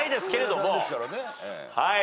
はい。